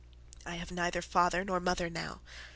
I have neither father nor mother now.